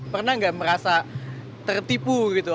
pernah nggak merasa tertipu gitu